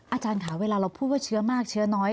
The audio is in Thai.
อาจารย์ค่ะเวลาเราพูดว่าเชื้อมากเชื้อน้อย